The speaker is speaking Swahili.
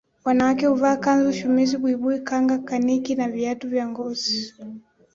Wanawake huvaa kanzu shumizi buibui kanga kaniki na viatu vya ngozi